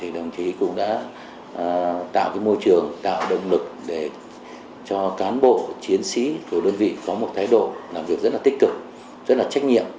đồng chí cũng đã tạo môi trường tạo động lực cho cán bộ chiến sĩ của đơn vị có một thái độ làm việc rất tích cực